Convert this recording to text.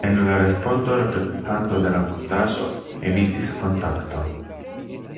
En la respondo reprezentanto de la fondaĵo evitis kontakton.